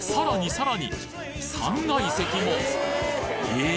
さらに３階席もえ？